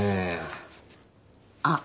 あっ。